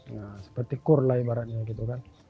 nah seperti kur lah ibaratnya gitu kan